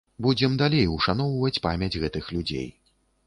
Будзем далей ушаноўваць памяць гэтых людзей.